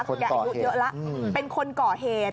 คนก่อเหตุเป็นคนก่อเหตุ